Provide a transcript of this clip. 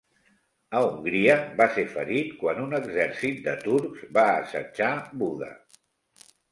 A Hongria va ser ferit quan un exèrcit de turcs va assetjar Buda.